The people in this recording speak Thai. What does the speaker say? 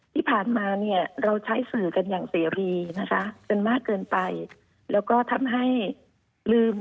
ที่ผ่านมาเนี่ยเราใช้สื่อกันอย่างเสรีนะคะกันมากเกินไปแล้วก็ทำให้ลืม